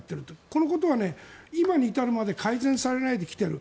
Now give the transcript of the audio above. このことは今に至るまで改善されないできている。